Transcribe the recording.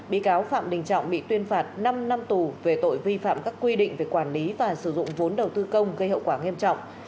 bị cáo phạm đình trọng bị tuyên phạt năm năm tù về tội vi phạm các quy định về quản lý và sử dụng vốn đầu tư công gây hậu quả nghiêm trọng